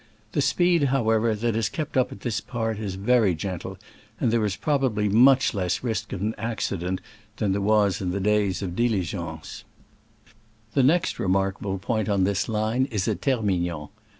The speed, however, that is kept up at this part is very gentle, and there is probably much less risk of an accident than there was in the days of diligences. The next remarkable point on this line is at Termignon.